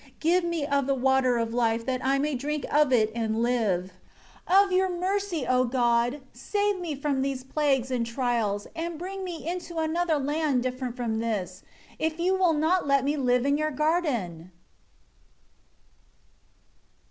Give me of the Water of Life that I may drink of it and live. 13 Of Your mercy, O God, save me from these plagues and trials, and bring me into another land different from this, if You will not let me live in Your garden."